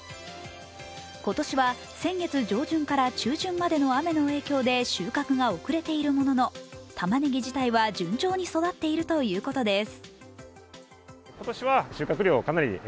今年は先月上旬から中旬までの雨の影響で収穫が遅れているものの、たまねぎ自体は順調に育っているということです。